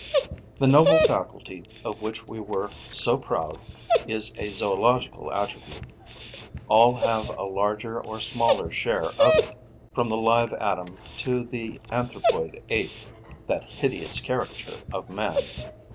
The noble faculty of which we were so proud is a zoological attribute. All have a larger or smaller share of it, from the live atom to the anthropoid ape, that hideous caricature of man.